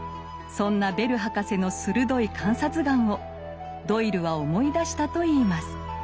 そんなベル博士の鋭い観察眼をドイルは思い出したといいます。